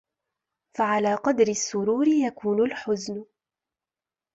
فَعَلَى قَدْرِ السُّرُورِ يَكُونُ الْحُزْنُ